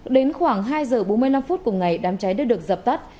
đến khoảng hai h bốn mươi năm cùng ngày đám cháy đã được dập tắt